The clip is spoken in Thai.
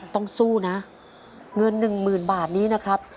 ต้องสู้นะเงิน๑๐๐๐บาทนี้นะครับ